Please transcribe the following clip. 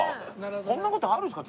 こんな事あるんですか？